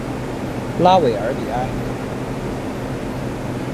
拉韦尔里埃。